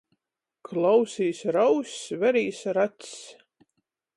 Klausīs ar auss, verīs ar acs!